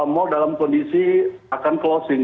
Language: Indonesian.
mall dalam kondisi akan closing